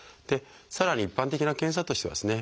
さらに一般的な検査としてはですね